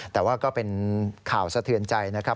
แต่ว่าก็เป็นข่าวสะเทือนใจนะครับ